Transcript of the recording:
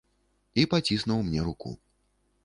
І паціснуў мне руку.